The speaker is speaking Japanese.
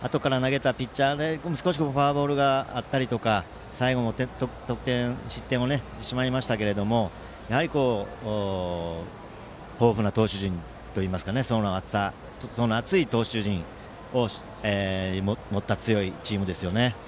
あとから投げたピッチャーで少しフォアボールがあったりとか最後も失点をしてしまいましたけどやはり豊富な投手陣といいますか層の厚い投手陣を持った強いチームですよね。